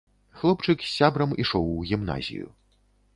Хлопчык з сябрам ішоў у гімназію.